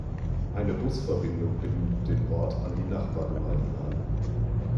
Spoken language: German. Eine Busverbindung bindet den Ort an die Nachbargemeinden an.